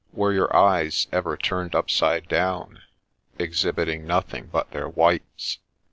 — Were your eyes ever turned upside down, exhibiting nothing but their whites